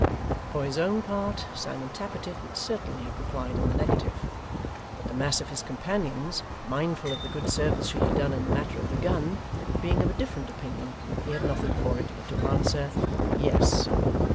For his own part, Simon Tappertit would certainly have replied in the negative, but the mass of his companions, mindful of the good service she had done in the matter of the gun, being of a different opinion, he had nothing for it but to answer, Yes.